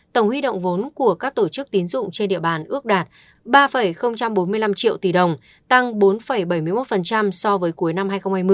tổng huy động vốn của các tổ chức tín dụng trên địa bàn ước đạt ba bốn mươi năm triệu tỷ đồng tăng bốn bảy mươi một so với cuối năm hai nghìn hai mươi